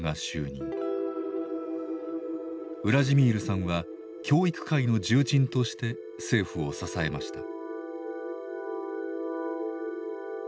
ウラジミールさんは教育界の重鎮として政府を支えました。